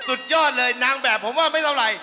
สุดยอดเลยนางแบบผมว่าไม่เท่าไหร่